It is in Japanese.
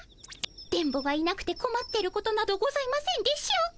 電ボがいなくてこまってることなどございませんでしょうか。